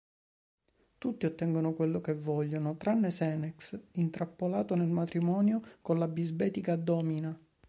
Tutti ottengono quello che vogliono, tranne Senex, intrappolato nel matrimonio con la bisbetica Domina.